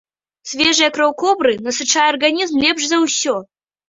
Свежая кроў кобры насычае арганізм лепш за ўсё.